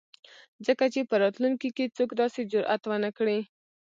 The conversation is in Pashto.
ځکه چې په راتلونکي ،کې څوک داسې جرات ونه کړي.